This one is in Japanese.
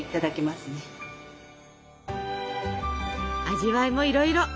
味わいもいろいろ！